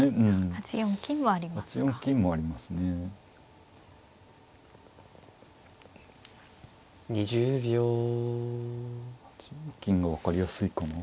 ８四金が分かりやすいかな。